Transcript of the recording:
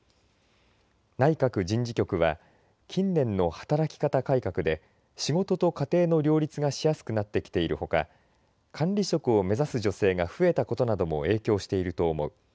内閣人事局は近年の働き方改革で仕事と家庭の両立がしやすくなってきているほか管理職を目指す女性が増えたことなども影響していると思う。